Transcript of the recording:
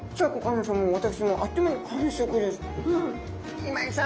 今井さん